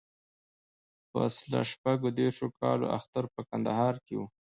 پسله شپږ دیرشو کالو اختر په کندهار کې و.